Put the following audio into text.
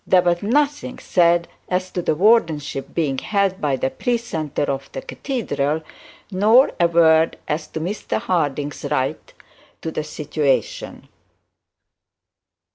There was nothing said as to the wardenship being held by the precentor of the cathedral, nor a word as to Mr Harding's right to the situation.